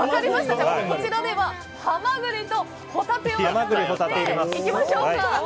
こちらではハマグリとホタテをいただいていきましょう。